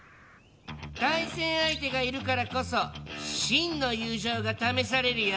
対戦相手がいるからこそ真の友情が試されるよ。